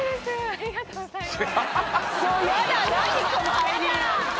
ありがとうございます。